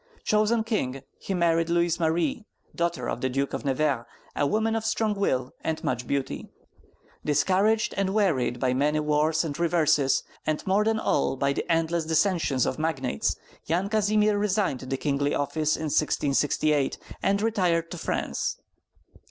Chosen king, he married Louise Marie, daughter of the Duke of Nevers, a woman of strong will and much beauty. Discouraged and wearied by many wars and reverses, and more than all by the endless dissensions of magnates, Yan Kazimir resigned the kingly office in 1668, and retired to France.